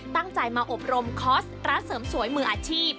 ตั้งใจมาอบรมคอร์สร้านเสริมสวยมืออาชีพ